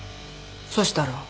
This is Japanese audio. そしたら。